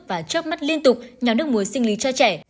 và chóp mắt liên tục nhóm nước muối sinh lý cho trẻ